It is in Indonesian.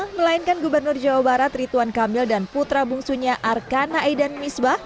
melainkan gubernur jawa barat rituan kamil dan putra bungsunya arkan naedan misbah